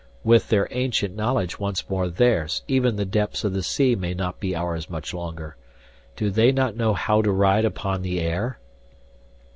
"With their ancient knowledge once more theirs, even the depths of the sea may not be ours much longer. Do they not know how to ride upon the air?"